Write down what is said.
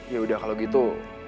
ya udah kalau gitu